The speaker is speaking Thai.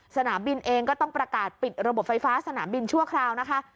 สนามบินเองก็ต้องประกาศปิดระบบไฟฟ้าสนามบินชั่วคราวนะคะ